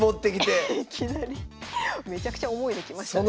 めちゃくちゃ重いのきましたね。